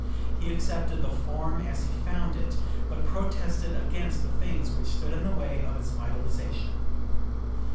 He accepted the form as he found it, but protested against the things which stood in the way of its vitalization.